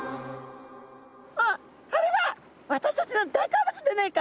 「あっあれは私たちの大好物でねえか」。